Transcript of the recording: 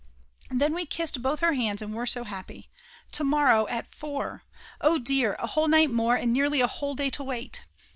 Then we kissed both her hands and were so happy! To morrow at 4! Oh dear, a whole night more and nearly a whole day to wait.